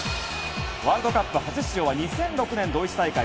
ワールドカップ初出場は２００６年、ドイツ大会。